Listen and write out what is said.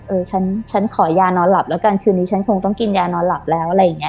เออฉันฉันขอยานอนหลับแล้วกันคืนนี้ฉันคงต้องกินยานอนหลับแล้วอะไรอย่างเงี้